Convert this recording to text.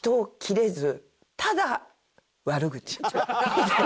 みたいな。